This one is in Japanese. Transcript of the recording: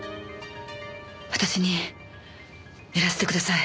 私にやらせてください！